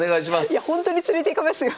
いやほんとに連れていかれますよ